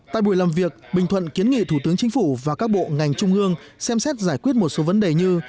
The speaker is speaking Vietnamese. tại buổi làm việc bình thuận kiến nghị thủ tướng chính phủ và các bộ ngành trung ương xem xét giải quyết một số vấn đề như